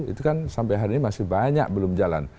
itu kan sampai hari ini masih banyak belum jalan